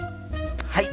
はい！